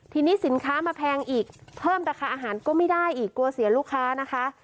ทีนี้สินค้ามาแพงอีกเพิ่มราคาอาหารก็ไม่ได้อีกกลัวเสียลูกค้านะคะ